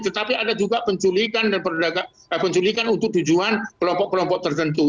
tetapi ada juga penculikan untuk tujuan kelompok kelompok tertentu